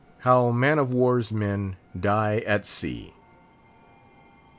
HOW MAN OF WAR'S MEN DIE AT SEA.